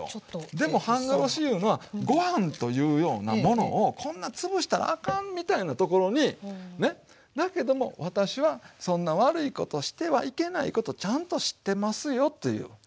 でも半殺しいうのはご飯というようなものをこんな潰したらあかんみたいなところにねだけども私はそんな悪いことしてはいけないことちゃんと知ってますよという。